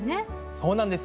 そうなんです。